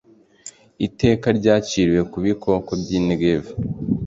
Iteka ryaciriwe ku bikoko by’i Negevu: